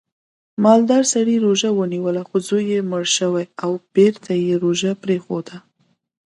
مالدار سړي روژه ونیوله خو وزې یې مړې شوې او بېرته یې روژه پرېښوده